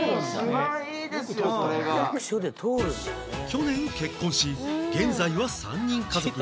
去年結婚し現在は３人家族